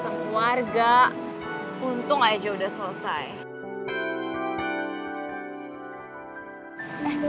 karena gini harganya seharusnya semenit pun